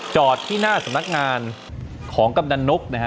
จอดที่หน้าสำนักงานของกำนันนกนะฮะ